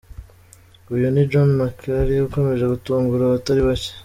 Uyu ni John Macharia ukomeje gutungura abatari bake.